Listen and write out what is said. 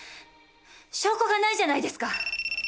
証拠がないじゃないですか！